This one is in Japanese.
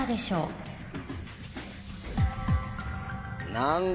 何だ